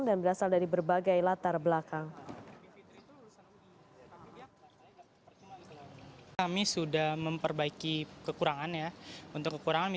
dan berasal dari berbunyi